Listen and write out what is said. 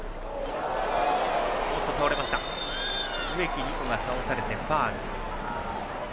植木理子が倒されてファウル。